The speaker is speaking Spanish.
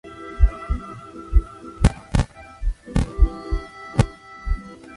Diamante se trasladó posteriormente a Roma, donde permaneció algún tiempo.